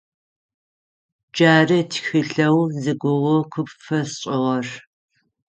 Джары тхылъэу зигугъу къыпфэсшӀыгъэр.